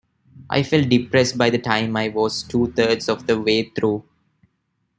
I felt depressed by the time I was two-thirds of the way through.